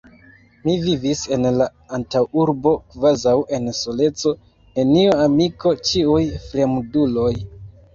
Mi vivis en la antaŭurbo kvazaŭ en soleco, neniu amiko, ĉiuj fremduloj!